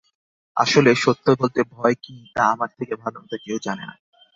আসলে, সত্য বলতে, ভয় কি তা আমার থেকে ভালোমতো কেউ জানে না।